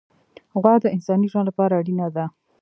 غوا د انساني ژوند لپاره اړینه ده.